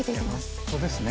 本当ですね。